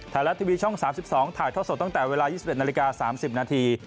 ไทยรัฐทีวีช่อง๓๒ถ่ายท่อสดตั้งแต่เวลา๒๑นาฬิกา๓๐นาที